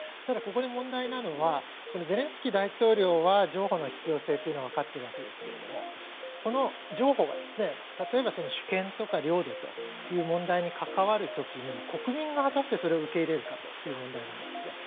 ただ、ここで問題なのはゼレンスキー大統領は譲歩の必要性を分かっているわけですけどもこの譲歩が例えば主権とか領土という問題に関わる時に国民が果たしてそれを受け入れるかという問題があります。